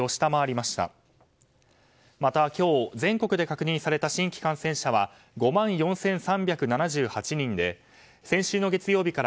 また今日、全国で確認された新規感染者は５万４３７８人で先週の月曜日から